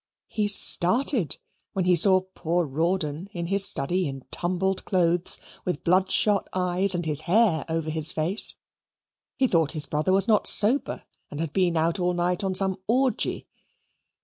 He started when he saw poor Rawdon in his study in tumbled clothes, with blood shot eyes, and his hair over his face. He thought his brother was not sober, and had been out all night on some orgy.